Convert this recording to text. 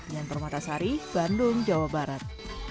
yang termata sari bandung jawa barat